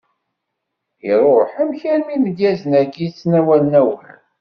Ihuh! amek armi imedyazen agi ttnawalen awal?